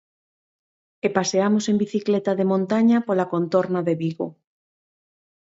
E paseamos en bicicleta de montaña pola contorna de Vigo.